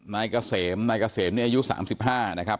นายเกษมอายุ๓๕นะครับ